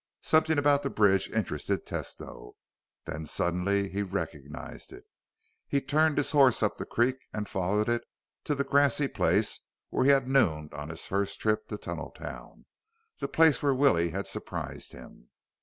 Something about the bridge interested Tesno; then suddenly he recognized it. He turned his horse up the creek and followed it to the grassy place where he had nooned on his first trip to Tunneltown, the place where Willie had surprised him.